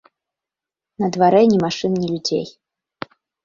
На дварэ ні машын, ні людзей.